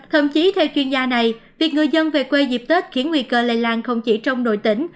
thậm chí theo chuyên gia này việc người dân về quê dịp tết khiến nguy cơ lây lan không chỉ trong nội tỉnh